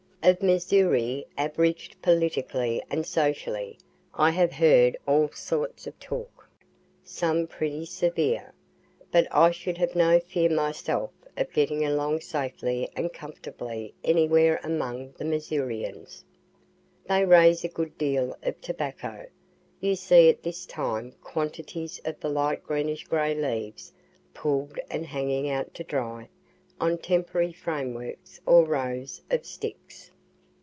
Of Missouri averaged politically and socially I have heard all sorts of talk, some pretty severe but I should have no fear myself of getting along safely and comfortably anywhere among the Missourians. They raise a good deal of tobacco. You see at this time quantities of the light greenish gray leaves pulled and hanging out to dry on temporary frameworks or rows of sticks.